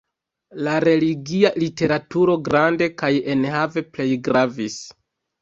La religia literaturo grande kaj enhave plej gravis.